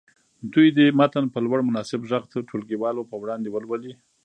دوی دې متن په لوړ مناسب غږ ټولګیوالو په وړاندې ولولي.